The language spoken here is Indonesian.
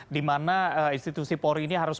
dimana institusi polri ini harus